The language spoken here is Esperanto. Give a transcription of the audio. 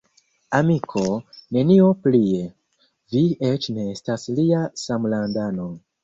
Amiko, nenio plie: vi eĉ ne estas lia samlandano.